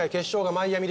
マイアミ。